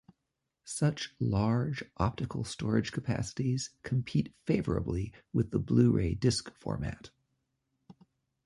Such large optical storage capacities compete favorably with the Blu-ray Disc format.